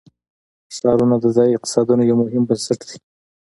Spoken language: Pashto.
ښارونه د ځایي اقتصادونو یو مهم بنسټ دی.